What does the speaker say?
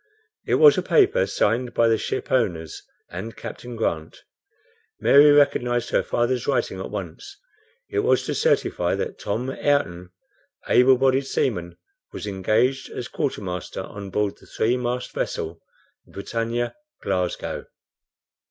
It was a paper signed by the shipowners and Captain Grant. Mary recognized her father's writing at once. It was to certify that "Tom Ayrton, able bodied seaman, was engaged as quartermaster on board the three mast vessel, the BRITANNIA, Glasgow."